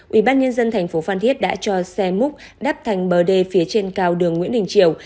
ủy ban nhân dân tp phan thiết đã cho xe múc đắp thành bờ đê phía trên cao đường nguyễn đình triều